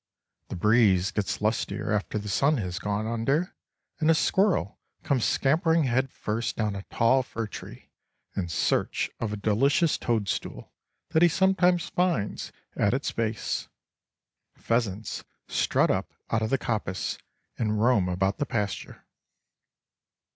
The breeze gets lustier after the sun has gone under, and a squirrel comes scampering head first down a tall fir tree, in search of a delicious toadstool that he sometimes finds at its base. Pheasants strut up out of the coppice, and roam about the pasture.